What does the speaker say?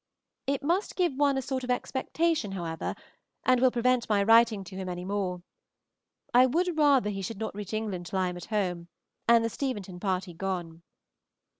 It must give one a sort of expectation, however, and will prevent my writing to him any more. I would rather he should not reach England till I am at home, and the Steventon party gone.